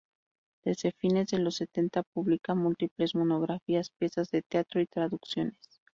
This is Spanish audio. Desde fines de los setenta publica múltiples monografías, piezas de teatro y traducciones.